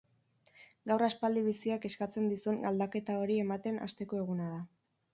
Gaur aspaldi biziak eskatzen dizun aldaketa hori ematen hasteko eguna da.